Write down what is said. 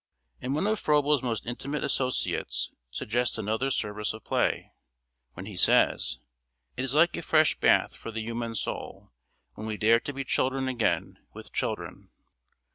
And one of Froebel's most intimate associates suggests another service of play, when he says: "It is like a fresh bath for the human soul when we dare to be children again with children."